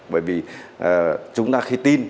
bởi vì chúng ta khi tin